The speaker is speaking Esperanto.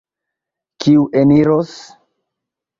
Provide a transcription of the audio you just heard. Kiu eniros?